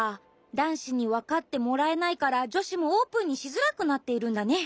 だんしにわかってもらえないからじょしもオープンにしづらくなっているんだね。